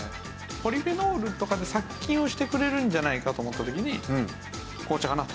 ポリフェノールとかで殺菌をしてくれるんじゃないかと思った時に紅茶かなと。